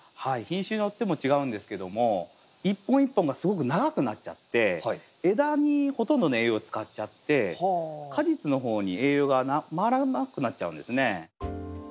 品種によっても違うんですけども一本一本がすごく長くなっちゃって枝にほとんどの栄養を使っちゃって果実の方に栄養が回らなくなっちゃうんですね。